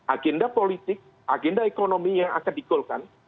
agenda politik agenda ekonomi yang akan digolkan